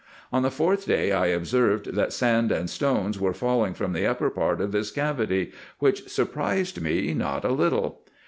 On the fourth day I observed, that sand and stones were falling from the upper part of this cavity, which surprised me not a little.